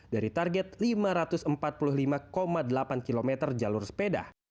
dari target lima ratus empat puluh lima delapan km jalur sepeda